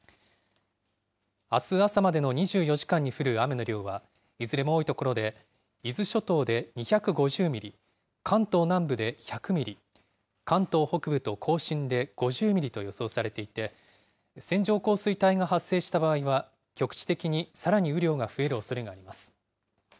あす朝までの２４時間に降る雨の量は、いずれも多い所で、伊豆諸島で２５０ミリ、関東南部で１００ミリ、関東北部と甲信で５０ミリと予想されていて、線状降水帯が発生した場合は局地的にさらに雨量が増えるおそれがあります。